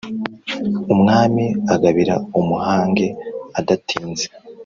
Umwami agabira umuhange adatinze